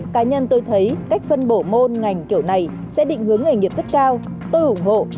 cá nhân tôi thấy cách phân bổ môn ngành kiểu này sẽ định hướng nghề nghiệp rất cao tôi ủng hộ